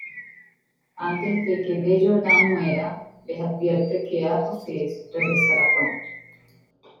Antes de que Desjardins muera, les advierte que Apofis regresará pronto.